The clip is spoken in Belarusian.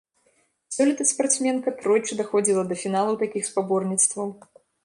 Сёлета спартсменка тройчы даходзіла да фіналу такіх спаборніцтваў.